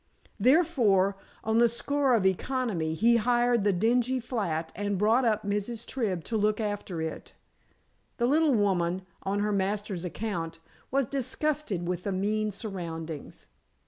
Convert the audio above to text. Therefore, on the score of economy, he hired the dingy flat and brought up Mrs. Tribb to look after it. The little woman, on her master's account, was disgusted with the mean surroundings.